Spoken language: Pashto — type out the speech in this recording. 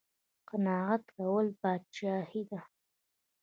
قناعت کول پادشاهي ده